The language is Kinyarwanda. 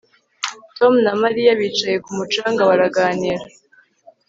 Tom na Mariya bicaye ku mucanga baraganira